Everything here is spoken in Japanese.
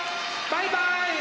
バイバイ！